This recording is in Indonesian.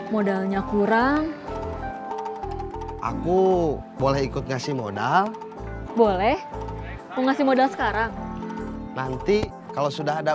modalnya kurang aku boleh ikut ngasih modal boleh ngasih modal sekarang nanti kalau sudah ada